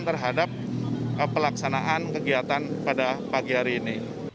terhadap pelaksanaan kegiatan pada pagi hari ini